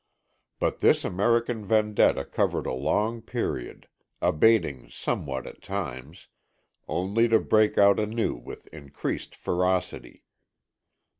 But this American vendetta covered a long period, abating somewhat at times, only to break out anew with increased ferocity.